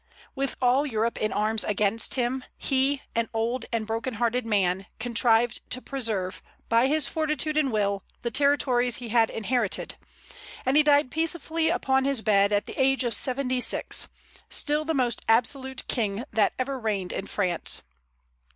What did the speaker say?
With all Europe in arms against him, he, an old and broken hearted man, contrived to preserve, by his fortitude and will, the territories he had inherited; and he died peacefully upon his bed, at the age of seventy six, still the most absolute king that ever reigned in France.